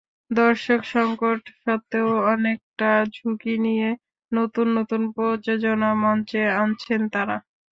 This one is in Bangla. দর্শক-সংকট সত্ত্বেও অনেকটা ঝুঁকি নিয়ে নতুন নতুন প্রযোজনা মঞ্চে আনছেন তাঁরা।